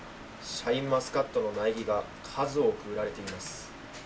シャインマスカットの苗木が数多く売られています。